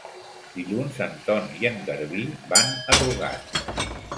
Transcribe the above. Dilluns en Ton i en Garbí van a Rugat.